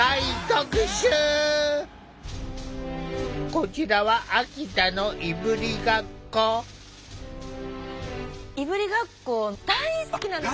こちらはいぶりがっこ大好きなんですよ！